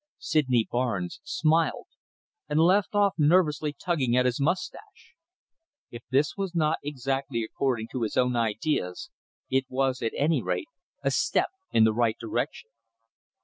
Sydney Barnes smiled, and left off nervously tugging at his moustache. If this was not exactly according to his own ideas, it was, at any rate, a step in the right direction.